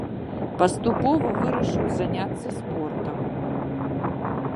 Паступова вырашыў заняцца спортам.